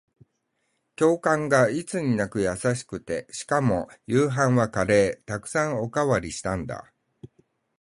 教官がいつになく優しくて、しかも夕飯はカレー。沢山おかわりしたんだ。